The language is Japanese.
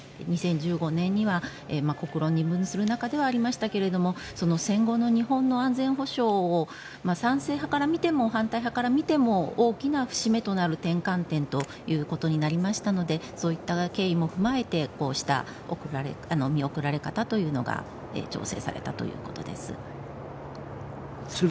２０１５年には国論を二分する中ではありましたがその戦後の日本の安全保障を賛成派から見ても反対派から見ても大きな節目となる転換点ということになりましたのでそういった経緯も踏まえてこうした見送られ方というのが調整されたということです。